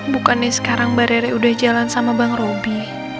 bukannya sekarang mbak rere udah jalan sama bang robi